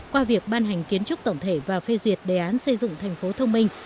qua việc ban hành kiến trúc tổng thể và phê duyệt đề án xây dựng thành phố thông minh